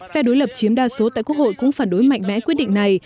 phe đối lập chiếm đa số tại quốc hội cũng phản đối mạnh mẽ quyết định này